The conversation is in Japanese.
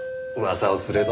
噂をすれば。